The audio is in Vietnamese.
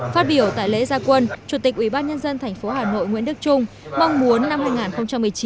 phát biểu tại lễ gia quân chủ tịch ubnd tp hà nội nguyễn đức trung mong muốn năm hai nghìn một mươi chín